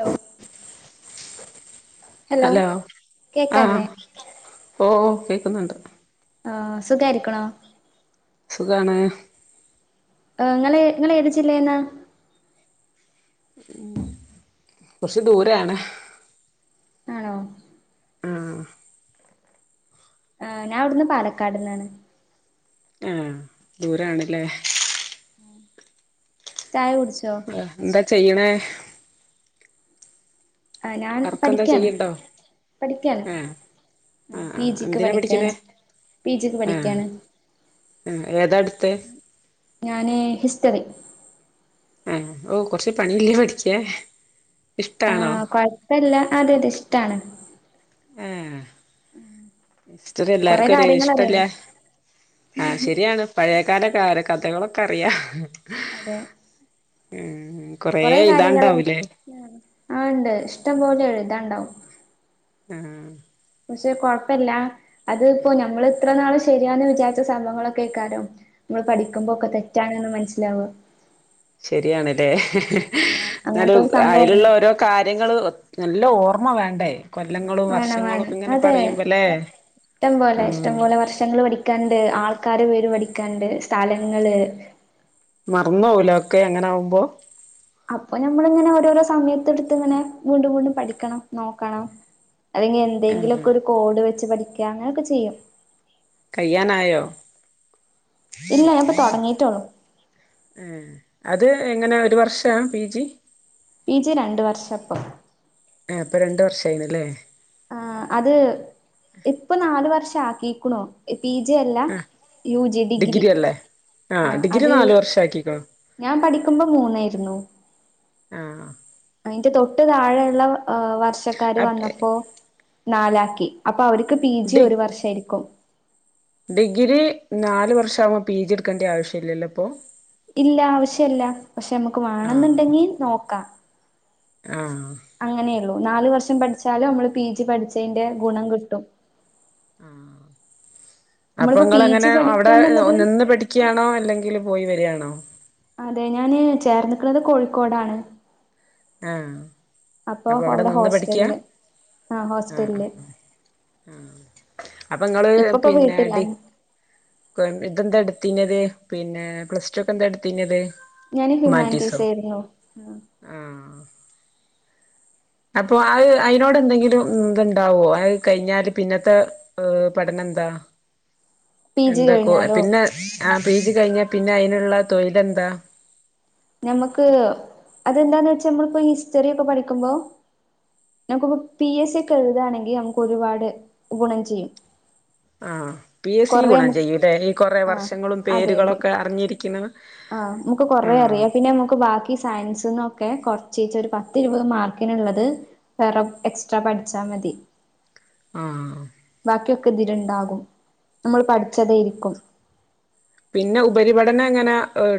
Hello hello ആ കേക്കല്ലേ ഓ കേക്കുന്നുണ്ട് ആഹ് സുഖായിരിക്കണോ സുഖാണ് ങ്ങള് ങ്ങള് ഏത് ജില്ലേന്ന കുറച്ച് ദൂരെണ് ആണോ ആഹ് ഏഹ് ഞാൻ ഇവിടുന്ന് പാലക്കാട്ന്നാണ് ആഹ് ദൂരാണ്ലേ ചായ കുടിച്ചോ ആഹ് എന്താ ചെയ്യ്ണേ ആഹ് ഞാൻ വർക്കെന്താ പഠിക്കാണ് ചെയ്യ്ണ്ടോ പഠിക്കാണ് ഏഹ് ആഹ് പി ജിക്ക് എന്തിനാ പഠിക്കാണ് പഠിക്ക്‌ണേ പി ജിക്ക് ആഹ് പഠിക്കാണ് ഏഹ് ഏതാ എട്ത്തേ ഞാന് ഹിസ്റ്ററി ആഹ് ഓഹ് കൊറച്ച് പണിയില്ലേ പഠിക്കാൻ ഇഷ്ടാണോ ആഹ് കൊയപ്പില്ല അതെ അതെ ഇഷ്ടാണ് ആഹ് ഹിസ്റ്ററി കൊറെ എല്ലാർക്കും ഒരു കാര്യങ്ങൾ ഇഷ്ടല്ലേ അറിയണം ആഹ് ശെരിയാണ് പഴയകാല കാര് കഥകളൊക്കറിയാ അതെ ഏഹ് കൊറെ കാര്യങ്ങള് ആഹ് ഇണ്ട് ഇഷ്ടം പോലെ എഴ്താന്ണ്ടാവും ആഹ് പക്ഷെ കൊഴപ്പില്ല അത്പ്പോ നമ്മൾ ഇത്രനാള് ശെരിയാെന്ന് വിചാരിച്ച സംഭവങ്ങളൊക്കായിക്കാരും നമ്മള് പഠിക്കുമ്പോക്കെ തെറ്റാണ്ന്ന് മനസ്സിലാവ ശെരിയാണ്ല്ലേ എന്നാലും അങ്ങനത്തൊരു സംഭവാണ് അയിലുള്ള ഓരോ കാര്യങ്ങള് നല്ല ഓർമ്മ വേണ്ടേ കൊല്ലങ്ങളും വേണം വർഷങ്ങളും വേണം ഒക്കെ ഇങ്ങനെ അതെ പറയുമ്പല്ലേ ഇഷ്ടം ആ പോലെ ഇഷ്ടം പോലെ വർഷങ്ങള് പഠി ക്കാന്ണ്ട് ആൾക്കാരെ പേര് പഠിക്കാന്ണ്ട് സ്ഥലങ്ങള് മറന്നോവൂലൊക്കെ അങ്ങനാവുമ്പൊ അപ്പൊ നമ്മളിങ്ങനെ ഓരോരോ സമയത്തെടുത്ത്ങ്ങനെ വീണ്ടും വീണ്ടും പഠിക്കണം നോക്കണം അല്ലെങ്കി ആ എന്തെങ്കിലൊക്കൊരു കോഡ് വെച്ച് പഠിക്ക അങ്ങനൊക്കെ ചെയ്യും കയ്യാനായോ ഇല്ല ഞാനിപ്പൊ തൊടങ്ങിട്ടോള്ളൂ ഏഹ് അത് എങ്ങനെ ഒരു വർഷാ പി ജി പി ജി രണ്ട് വർഷാപ്പൊ ഏ പ്പ രണ്ട് വർഷായിന് ല്ലേ ആഹ് അത് ഇപ്പൊ നല് വർഷാക്കിക്ക്‌ണു പി ജെ അല്ല ആ യു ജി ഡിഗ്രി ആ ആഹ് ഡിഗ്രി അത് നാല് വർഷം ആക്കിക്കോ ഞാൻ പഠിക്കുമ്പൊ മൂന്നായിരുന്നു ആഹ് അയിന്റെ തൊട്ട് താഴെയുള്ള് വർഷക്കാര് ആ വന്നപ്പോ നാലാക്കി അപ്പ അവര്ക്ക് പി ജി ഡി ഒരു വർഷായിരിക്കും ഡിഗ്രി നാല് വർഷാവു മ്പൊ പി ജി എടുക്കേണ്ട ആവശ്യല്ല ല്ലോ പ്പൊ ഇല്ല ആവശ്യല്ല പക്ഷെ നമുക്ക് ആ വേണന്ന്ണ്ടെങ്കി നോക്കാം ആഹ് അങ്ങനെയുള്ളൂ നാല് വർഷം പഠിച്ചാല് നമ്മള് പി ജി പഠിച്ചയിന്റെ ഗുണം കിട്ടും ആഹ് അപ്പൊ നമ്മളിപ്പോ പി ജി ഇങ്ങളെങ്ങനെ അവിടെ പഠിക്കാന്നുള്ളത് നിന്ന് പഠി ക്ക്‌ ആണോ അല്ലെങ്കില് പോയി വര് ആണോ അതെ ഞാന് ചേർന്ന്ക്ക്‌ണത് കോഴിക്കോടാണ് ആഹ് അപ്പൊ അവിടെ അവടെ നിന്ന് പഠിക്ക്യാ ഹോസ്റ്റല് ആഹ് ഹോസ്റ്റല് അപ്പങ്ങള് ഇപ്പപ്പോ പിന്നെ ഡി വീട്ടിലാണ് കൊയ് തെന്താ എട്ത്തീനത് പിന്നെ പ്ലസ് ടു ഒക്കെ എന്താ എടുത്തീനത് ഞാന് ഹുമാനിറ്റീസോ ഹുമാനിറ്റീസായിരുന്നു ഉമ് ആഹ് അപ്പൊ അത് അയിനോടെന്തെങ്കിലും ഇത്ണ്ടാവോ അത് കഴിഞ്ഞാല് പിന്നത്തെ ഏഹ് പഠനെന്താ പി ജി എന്താകൊ കഴിഞ്ഞാലോ പിന്നെ ആ പീ ജി കഴിഞ്ഞ പിന്നെ അയിന്ള്ള തൊഴിലെന്താ? ഞമ്മക്ക് അതെന്താന്ന് വെച്ചാ മ്മൾപ്പോ ഹിസ്റ്ററ്യൊക്കെ പഠിക്ക്മ്പോ ഞാങ്ങ്ക്പ്പോ പി എസ് സി ഒക്കെ എഴ്താണെങ്കി അമുക്ക് ഒരുപാട് ഗുണം ചെയ്യും. ആഹ് പി എസ് സിക്ക് കൊറേ ഗുണം നമുക്ക് ചെയ്യും ലേ ഈ കൊറേ ആ വർഷങ്ങളും പേര്കളൊക്കെ അറിഞ്ഞിരിക്ന്നത് ആഹ് മ്മുക്ക് കാെറേ അറിയാം പിന്നെമുക്ക് ബാകി ഈ സയൻസ്ന്നൊക്കെ കൊർച്ചീച്ചേ ഒര് പത്ത് ഇരുപത് മാർക്കിന്ള്ളത് വേറെം എക്സ്ട്രാ പഠ്ച്ചാമതി ആഹ് ബാക്ക്യൊക്കെ ഇതില്ണ്ടാകും നമ്മൾ പഠിച്ചെതെയ്രിക്കും പിന്നെ ഉപരിപഠനം എങ്ങനാ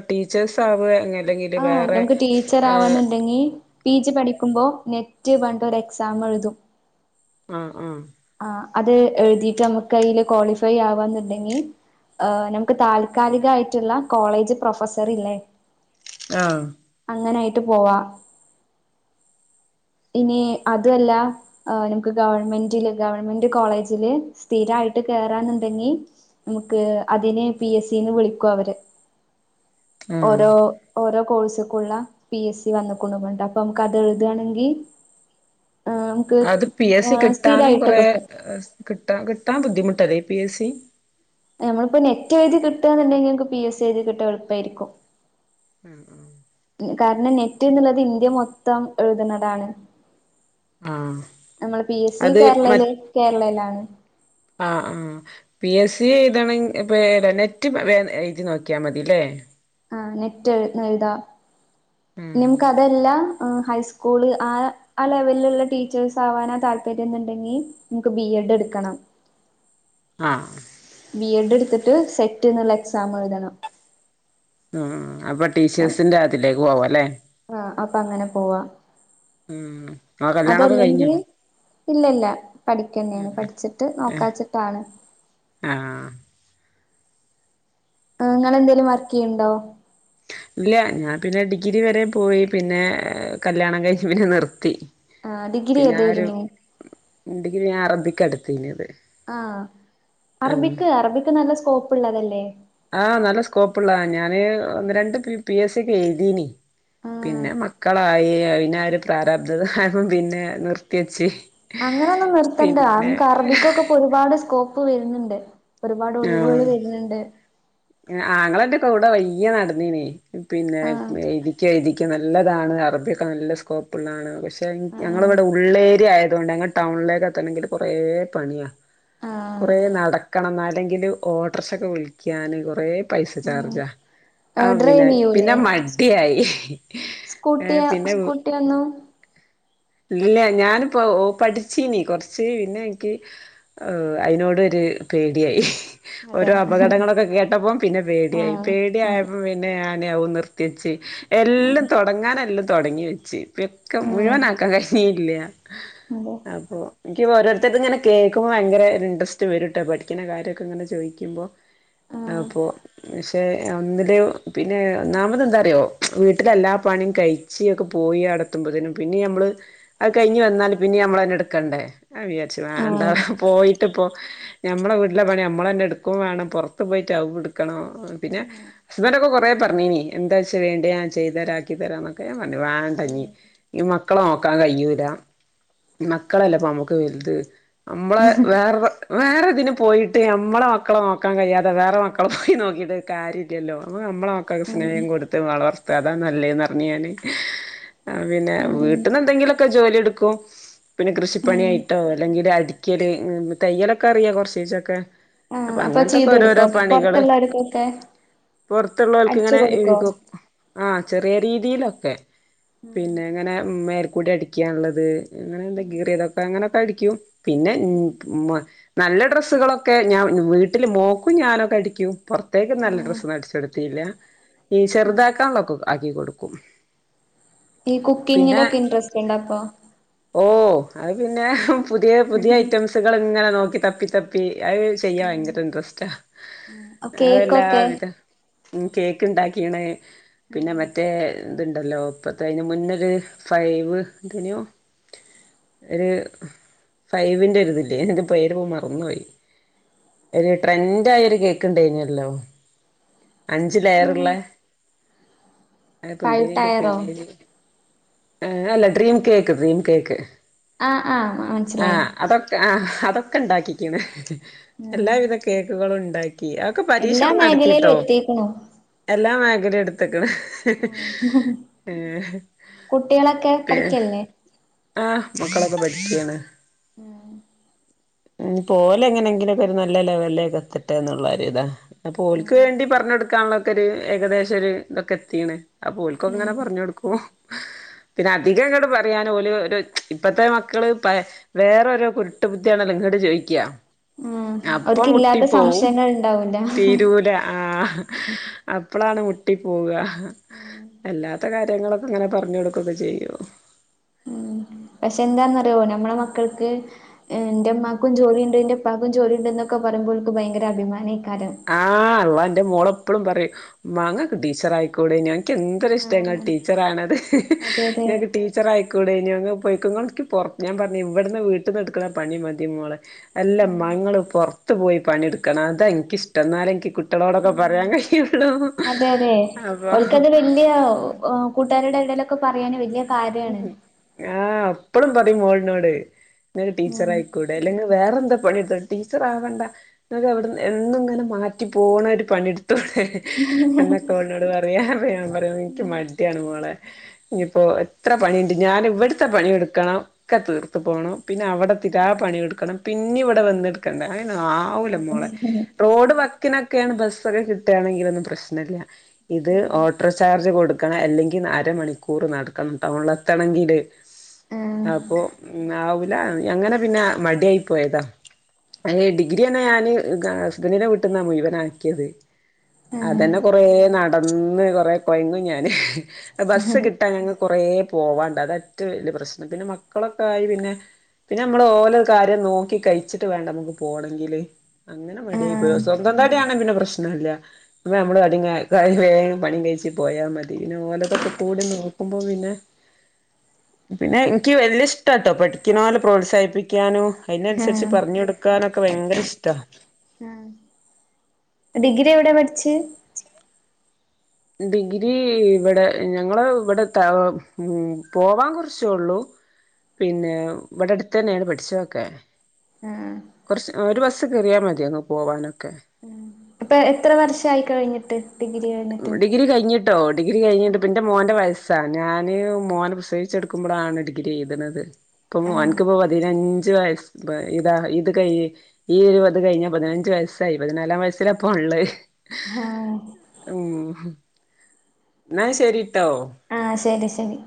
ടീച്ചേഴ്സ് ആവേങ്ങ ആഹ് നമുക്ക് ടീച്ചർ ആവാന്ന്ണ്ടെങ്കി പി ജി പഠിക്കുമ്പോ നെറ്റ് വണ്ടൊരു എക്സാം എഴുതും. ആഹ് ആഹ് ആഹ് അത് എഴ്തീട്ട് അമ്മക്ക് അയ്ല് കാേളിഫൈ ആവാന്ന്ണ്ടെങ്കി ഏഹ് നമ്ക്ക് താൽക്കാലികായ്റ്റ്ള്ള കോളേജ് പ്രൊഫസറ്ല്ലേ ആഹ് അങ്ങനായിട്ട് പോവാ ഇനി അതും അല്ലാ ആ ഞമ്ക്ക് ഗവൺമെന്റില് ഗവൺമെന്റ് കോളേജ്ല് സ്ഥിരായിട്ട് കേറാന്ന്ണ്ടെങ്കി നമുക്ക് അതിനെ പി എസ് സിന്ന് വിളിക്കു അവര്. ആഹ് ഓരോ ഓരോ കോഴ്സുക്കുള്ള പി എസ് സി വന്ന്ക്ക്ണു പണ്ട് അപ്പൊ അമക്ക് അത് എഴുതയാണെങ്കി അത് പി എസ് സി ഏഹ് കിട്ടാനും സ്ഥിരായിട്ട് കൊറേ കിട്ടും. ഏ കിട്ടാ കിട്ടാൻ ബുദ്ധിമുട്ടല്ലെ ഈ പി എസ് സി? നമ്മള്പ്പം നെറ്റ് എഴ്തി കിട്ടാന്ന്ണ്ടെങ്കി ക്ക് പി എസ് സി എഴ്തികിട്ടാ എള്പ്പായ്രിക്കും ഉം ആഹ് കാരണം നെറ്റ് എന്നുള്ളത് ഇന്ത്യ മൊത്തം എഴുതുന്നതാണ്. ആഹ് അമ്മള് പി എസ് സി അത് കേരളെല് മറ്റ് കേരളേലാണ്. ആഹ് ആഹ് പി എസ് സി എഴുതെണെങ്ക് പെ ഏഹ് നെറ്റ് വേം എഴ്തി നോക്ക്യാ മതി ലേ? ആഹ് നെറ്റ് എഴ് എഴുതാ ഉം നിമ്ക്ക് അതല്ല ഹൈസ്കൂള് ആഹ് ആ ലെവല്ല്ള്ള ടീച്ചേഴ്സ് ആവാനാതാല്പര്യംന്ന്ണ്ടെങ്കി നമ്ക്ക് ബി എഡ് എടുക്കണം. ആഹ് ബി എഡ് ട്ത്ത്ട്ട് സെറ്റ്ന്ന്ള്ളെ എക്സാമ്ഴ്തണം ആഹ് ആഹ് അപ്പ ടീച്ചേഴ്സിന്റെ അതിലേക്ക് പോവാ ലേ? ആഹ് അപ്പൊ അങ്ങനെ പോവാ. ഉം ങ്ങ് കല്യാണൊക്കെ കഴിഞ്ഞോ? അതല്ലെങ്കി ഇല്ല ഇല്ല പഠിക്കെനെയാണ് പഠിച്ചിട്ട് ഏഹ് നോക്കാച്ചിട്ടാണ്. ആഹ് ഏഹ് ങ്ങളെന്തേലും വർക്കെയ്യ്ൺണ്ടോ? ഇല്ല ഞാൻ പിന്നെ ഡിഗ്രി വരെ പോയി പിന്നെ കല്യാണം കഴിച് പിന്നെ നിർത്തി. ആ ഡിഗ്രി പിന്നെ ആരു ഏതായിരുന്നു ഉണ്ടക്ക് ഞാൻ അറബിക്കട്ത്തീഞത്. ആഹ് അറബിക്ക് അറബിക്ക് നല്ല സ്കോപ്പ്ള്ളതല്ലേ? ആഹ് നല്ല സ്കോപ്പ്ള്ളതാ ഞാന് ഒന്ന് രണ്ട് പീ പി എസ് സിക്കെ എയ്തീനി ആഹ് പിന്നെ മക്കളായി അയ്നര് പ്രാരാബ്ധത ആയപ്പോ പിന്നെ നിർത്ത്യെച്ച് അങ്ങനൊന്നും നിർത്തണ്ട ങ്ങക്ക് അറബിക്കൊക്കെ ഇപ്പാെ ഒരുപാട് സ്കോപ്പ് വെര്ന്ന്ണ്ട് ഒരുപാട് ഒഴിവുകൾ വര്ന്ന്ണ്ട്. ഏഹ് ആങ്ങളന്റെക്ക കൂടെ വൊയ്യേ നടന്നീനി പിന്നെ ആഹ് ചെഴ്തിക്കോ നല്ലതാണ്. അറബിയൊക്കെ നല്ല സ്കോപ്പ്ള്ളാണ് പക്ഷെ ആഹ് ഞങ്ങള്ടെ ഉള്ളേഏരിയ ആയതൊണ്ട് ഞങ്ങൾ ടൗണിലേക്കെത്തണെങ്കിൽ കൊറേപണിയാ. ആഹ് കൊറേ നടക്കണം എന്നല്ലെങ്കില് ഓട്ടർ ക്ഷക്കെ വിളിക്കാന് കൊറേ പൈസ ഉം ചാർജ ആ ഡ്രൈവ് പിന്നെ പിന്നെ ചെയ്യൂലേ മട്യായി. ഏ സ്കൂട്ടിയ പിന്നെ സ്കൂട്ടിയൊന്നും ഇല്ല ഞാന്പ്പോ ഓ പഠ്ച്ചീനി. കൊർച്ച് പിന്നെ ഇൻക്കീ. ഒ ഐനോടൊരു പോടിയി. അതെ ഓരോ അപകടങ്ങളൊക്കെ കേട്ട പ്പം പിന്നെ പേടിയായി ആഹ് അതെ പേടിയായപ്പം പിന്നെ ഞന് അതും നിർ ത്തെച്ച് എല്ലാം തൊടങ്ങാന് എല്ലാം തൊടങ്ങി വെച്ച്. പിന്നൊക്കെ ആഹ് മുഴുവനാക്കാൻ കഴിഞ്ഞീ- ല്യ അതെ ഹെ അപ്പൊ ഇപ്പോ ഓരോര്ത്തര്ത്ങ്ങനെ കേക്കുമ്പോ ഭയങ്കര ഇൻട്രസ്റ്റ് വരുട്ടൊ പഠിക്ക്ണ കാര്യൊക്കങ്ങനെ ചോയ്ക്യുമ്പൊ. ആഹ് അപ്പോ. [unintelligible] ഒന്നില് പിന്നെ ഒന്നാമതെന്താറിയോ വീട്ടിലെ എല്ലാ പണിയും കഴി ച്ചിയൊക്കെ പോയി അവിടെത്തുമ്പോത്തിനും പിന്നിം അമ്മള്. അത് കഴിഞ്ഞ് വന്നാല് പിന്നിം നമ്മളന്നെട്ക്കണ്ടേ ഞാൻ വിചാര് ച്ച് വാണ്ട ആഹ് പോയിട്ട്പ്പോ ഞമ്മളെ വീട്ടിലെ പണി നമ്മളൊന്നെ ഇട്ക്കും വാണം. പൊർത്ത് പോയി സ്റ്റൗ ആടുകണം പിന്നെ. ഹസ്ബൻറക്കെ കൊറെ പറഞ്ഞീനി എന്താച്ചൊയണ്ടി ഞാൻ ചെയ്തരാ ആക്കിത്തരാ എന്നൊക്കെ. പറഞ്ഞി വാണ്ടഞ്ഞി ആഹ് ഈ മക്ക ളെ നോക്കാൻ കയ്യൂല മക്കളല്ലപ്പം നമ്മക്ക് വൽത്. അമ്മളെ വേറെ വേറെതിന് പോയിട്ട് അമ്മളെ മക്കളെ നോക്കാ കഴിയാ വേറെ മക്കളെ പോയി നോക്കീട്ട് ഒരു കാര്യല്ലല്ലോ അമ്മള് അമ്മളെ മക്കക്ക് ആഹ് സ്നേഹം കൊട് ത്ത് വളർത്താ അതാ നല്ലേന്ന്റിഞ്ഞ്. ഞാന് പിന്നെ വീട്ട്ന്ന് എന്തെങ്കിലൊക്കെ ജോലി എട്ക്കും. പിന്നെ ആഹ് കൃഷിപ്പണിയായിട്ടോ അല്ലെങ്കില് അടി ക്കല് തയ്യലൊക്കെ അറിയാ കൊർച്ചീച്ചൊക്കെ ആഹ് അപ്പൊ അങ്ങൻത്തൊ ക്കി ക്കൊ ചെയ്ത് ഓരോരോ കൊടുക്കോ പണികള് പൊറത്തുള്ളവർക്കൊക്കെ അടിച്ചു പൊർത്ത്ള്ളോൽക്ക്ങ്ങനെ കൊടുക്കോ എഴ്തും. ആഹ് ചെറിയ രീതിയിലൊക്കെ പിന്നെ ഇങ്ങനെ മേൽക്കൂടെ അടിക്കാൻള്ളത്. അങ്ങനെന്ത കിറീതൊക്കെ അങ്ങനൊക്കെ അടിക്യും പിന്നെ ഇൻക്ക് മ നല്ല ഡ്രസ്സുകളൊക്കെ ഞാൻ വീട്ട്ല് മോക്കും ഞാനൊക്കെ അടിക്കും പൊർത്തേക്ക് നല്ല ആഹ് ഡ്രസ്സൊന്നും അടിച്ച് ടുത്തില്ല ഈ ചെർതാക്കാള്ളൊക്കെ ആക്കി കൊട്ക്കും. ഈ കുക്കിങ്ങിലൊക്കെ ഇൻണ്ട്രസ്റ്റ്ണ്ടപ്പം. ഓ അത് പിന്നെ പുതിയ പുതിയ ഐറ്റംസ്കള്ങ്ങനെ നോക്കി തപ്പി തപ്പി അഹ്. ചെയ്യാൻ ഉം ഭയങ്കര ഇൻട്രസ്റ്റാ ആഹ് കേക്കൊക്കെ അതെല്ലാവിധ ഉം കേക്ക്ണ്ടാക്കീണ് പിന്നെ മറ്റേ ത്ണ്ടല്ലോ ഇപ്പത്തഴിൻ്റെ മുന്നൊരു ഫൈവ് എന്തേനോ. ഒരു ഫൈവിൻ്റെ ഒരിത്‌ല്ലെ എന്തെ പേര്പ്പോ മർന്നോയി ഒരു ട്രെൻ്റായ ഒരു കേക്ക്ണ്ടേയിന്യല്ലോ? അഞ്ച് ഉം ലെയറ്ള്ളേ. ഐന്പ്പം ഫൈവ് എന്തേനി ഐന്റെ ടയറോ പേര് ഏ അല്ല ഡ്രീം കേക്ക് ഡ്രീം കേക്ക്. ആഹ് ആഹ് അ മനസ്സിലായി അതൊക്കെ ആ ഹ അതൊക്കെ ഇണ്ടാക്കീക്ക്ണ് ഹി ഹി ആഹ് എല്ലാവിധ കേ കേക്കുകളുണ്ടാക്കി ആക്കെ എല്ലാ പരീക്ഷണം മേഖലയിലും നടത്തീട്ടോ എത്തിക്കണു എല്ലാ മേഖലിം ഇട്ത്ത്ക്ക്ണ്. ഉം കുട്ടികളൊക്കെ ടേ പഠിക്കല്ലേ [unintelligible] ആ മക്കളൊക്കെ പഠിക്കാണ്. ഉം. ഉം ഓലെങ്ങനെങ്കിലും ഒരു നല്ല നൊലേക്ക് എത്തട്ടെ എന്നുള്ള ഒര്താ. അപ്പോ ഓൽക്ക് ആഹ് വേണ്ടി പറഞ്ഞൊട്ക്കാനുള്ളൊക്കെ ഒരു ഏകദേശൊര് ഇതൊക്കെ എത്തീക്ണ്. ആ അപ്പോ ഒൽക്കൊക്കങ്ങനെ ആഹ് പർഞ്ഞൊട്ക്കും. പിന്നെ അധികങ്ങട്ട് പറയാന് ഓല് ഒര് ഇപ്പത്തെ മക്കള് പയെ വേറോരോ കുരുട്ട് ബുദ്ധിയാണല്ലോ ഇങ്ങട്ട് ചോയ്ക്യാ. ഉം ഓര്ക്കില്ലാത്ത സംശയങ്ങള് ഇണ്ടാവൂല. ല ആ അപ്പളാണ് മുട്ടി പോവാ ഉം എല്ലാത്ത കാര്യങ്ങളൊക്കെങ്ങനെ പർഞ്ഞൊട്ക്കൊക്കെ ചെയ്യും. ഉം പക്ഷെ എന്താന്നറിയോ നമ്മളെ മക്കൾക്ക് എന്റെ ഇമ്മാക്കും ജോലി ഉണ്ട് എന്റെപ്പാക്കും ജോലി ഉണ്ട് എന്നൊക്കെ പറയുമ്പോൾ ഓൽക്ക് ഭയങ്കര അഭിമാനം ആയിരിക്കും ആഹ് അള്ളാ എൻ്റെ മോള എപ്പളും പറയും മങ്ങക്ക് ടീച്ചർ ആയിക്കൂടെ ഞനക്ക് എന്തൊര ഇഷ്ടങ്ങൾ ആഹ് ടീച്ചർ ആണത് അതെ അതെ ഞനക്ക് ടി ടിച്ചർ ആയിക്കൂടെ ഇനി ഒ പോയിക്ക പുറ ഞാൻ പറഞ്ഞു ഇവിടന്ന് വീട്ട നിന്ന് എടുക്കണ പണി മതി മോളെ അല്ല ഉം മ്മ ങ്ങൾ പുറത്ത് പോയി പണിെടുക്കണം അതെ എനിക്കിഷ്ടം എന്നാല എനിക്ക് കു കുട്ടളോടൊക്കെ ഉം പറയാൻ കഴുള്ളു അപ്പൊ. അ കൂട്ടുകാരുട എന്തങ്കിലും ലൊക്കെ പറയാന് വലിയ കാര്യമാണ്. ആഹ് അപ്പളുംപറയും മോളിനോട് ഇങ്ങക്ക് ടീച്ചർ ഉം ആയിക്കോ അ അല്ലെങ്കിൽവേറെ എന്താ പണി എടുത്ത ടീച്ചർ ആവണ്ട. അവിടെ എന്നും ഇങ്ങനെ മാറ്റി പോണ ഒരു പണിയെടുത്തോടെ. എന്നൊക്കെ ഒന്നോട് പറയാ ഞാൻ പറയുമ്പോ എനിക്ക് മടിയാണ് മോളെ ഇനിയിപ്പോ എത്ര പണിയുണ്ട് ഞാൻ ഇവിടുത്തെ പണിയെടുക്കണം. ഒക്കെ തീർത്ത് പോകണം പിന്നെ അവിടെ തിരാ പണിയെടുക്കണം പിന്നെ ഇവിടെ വന്നെടുക്കണ്ട ആയിനോ ആ ആവൂല അതെ മോളെ റോഡ് വക്കിനൊക്കെയാണ് ബസ്സൊക്കെ കിട്ടുകയാണെങ്കിൽ ഒന്നും പ്രശ്നമില്ല. ഇത് ഓട്ടോ ചാർജ് കൊടുക്കണം അല്ലെങ്കിൽ അരമണിക്കൂർ നടക്കണം ടൗണിലെത്തണെങ്കില്. ആഹ് അപ്പൊ ഇന്നാവൂല അങ്ങനെ പിന്നെ മടിയായി പോയതാ എ ഡിഗ്രി തന്നെ ഞാന് ഹസ്ബന്റിന്റെ വീട്ടിന്നാ മുഴുവൻ ആക്കിയത് ആഹ് അതന്നെ കൊറേ നടന്ന് കൊറേ കൊയങ്ങും ഞാന് ബസ്സ് കിട്ടാൻ കുറേ പോവാണ്ട് അതഏറ്റവും വലിയ പ്രശ്നം പിന്നെ മക്കളൊക്കെ ആയി പിന്നെ. പിന്നെ നമ്മള് ഓരോ കാര്യം നോക്കി കഴിച്ചിട്ട് വേണ്ട നമുക്ക് പോകണെങ്കില്. അങ്ങനെ മടിയായി പോയ ആഹ് സ്വന്തം തടിയാണെങ്കിൽ പിന്നെ പ്രശ്നംമല്ല അപ്പ നമ്മള് അടി പണി കഴിച്ചച്ച് പോയാൽ മതി പിന്നെ ഓലതൊക്കെ കൂടി നോ അപ്പം പിന്നെ പിന്നെ എനിക്ക് വലിയ ഇഷ്ട പഠിക്കുന്ന പോലെ പ്രോത്സാഹിപ്പിക്കാനോ. ആഹ് അതിനനുസരിച്ച് പറഞ്ഞഞ് ആഹ് കൊടുക്കാനൊക്കെ ഭയങ്കര ഇഷ്ട. ആഹ് ഡിഗ്രി എവിടെ പഠിച്ച. ഡിഗ്രി ഇവിടെ ഞങ്ങള് ഇവിടെ പോവാൻ കുറിച്ചുള്ളു. പിന്നെ ഇവിടെ അടുത്ത് തന്നെയടെ പഠിച്ചോക്കെ. ആഹ് കുറച്ച് ഒരു ബസ്സ് കേറിയാ മതി അങ്ങ് പോവാനൊക്കെ അപ്പൊ എത്ര വർഷയി കഴിഞ്ഞിട്ട്. ഡിഗ്രി കഴിഞ്ഞ് ഡിഗ്രി കഴിഞ്ഞിട്ട് കേട്ടോ ഡിഗ്രി കഴിഞ്ഞിട്ട് പിന്റെ മോന്റെ വയസ്സാ ഞാന് മോനെ പ്രസേവിച്ചെടുക്കുമ്പോഴാണ് ഡിഗ്രി ചെയ്തത്. ആഹ് ഇപ്പൊനക്ക്പ്പോ പതിനഞ്ച വയസ്സ് ഇതാ ഇത് കൈ ഈ ഒരു പത് കഴിഞ്ഞ പതിനഞ്ച വയസ്സായി പതിനാലാം വയസ്സില അപ്പ ഉള്ള. ആ. ളം എന്നാ ശരിട്ടോ. ആഹ. ശരി. ശരി.